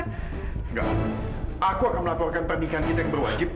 enggak aku akan melaporkan pernikahan kita yang berwajib